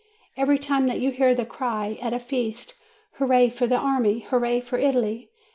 Every time that you hear the cry, at a feast, 'Hurrah for the army! hurrah for Italy!'